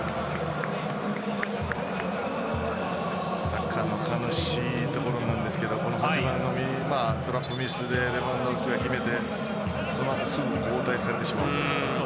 サッカーの悲しいところなんですけどサウジアラビアの８番のトラップミスでレバンドフスキが決めてそのあとすぐに交代されてしまうと。